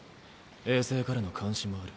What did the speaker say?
衛星からの監視もある。